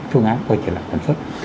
cái thương án coi trở lại tầm xuất